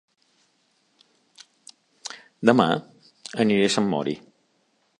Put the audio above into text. Dema aniré a Sant Mori